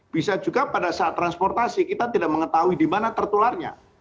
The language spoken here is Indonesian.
bisa juga pada saat transportasi kita tidak mengetahui di mana tertularnya